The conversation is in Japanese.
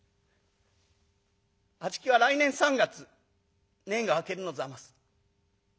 「あちきは来年三月年季が明けるのざます。